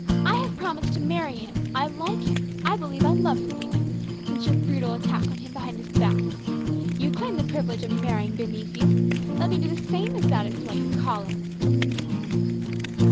" I have promised to marry him. I like him. I believe I love him even, since your brutal attack on him behind his back. You claim the privilege of marrying beneath you. Let me do the same, if that is what you call it."